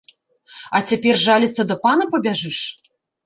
А цяпер жаліцца да пана пабяжыш?!